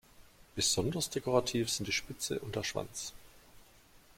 Besonders dekorativ sind die Spitze und der Schwanz.